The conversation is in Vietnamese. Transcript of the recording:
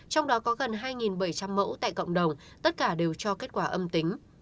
trong đó có gần hai bảy trăm linh mẫu tại cộng đồng tất cả đều cho kết quả âm tính